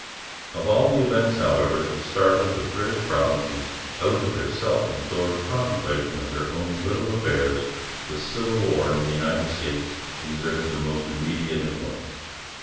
Of all the events, however, that startled the British provinces out of the self absorbed contemplation of their own little affairs, the Civil War in the United States exerted the most immediate influence.